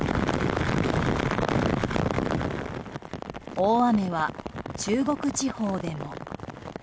大雨は、中国地方でも。